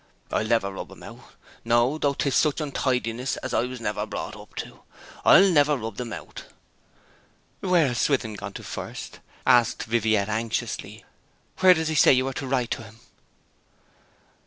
'I shall never rub 'em out; no, though 'tis such untidiness as I was never brought up to, I shall never rub 'em out.' 'Where has Swithin gone to first?' asked Viviette anxiously. 'Where does he say you are to write to him?'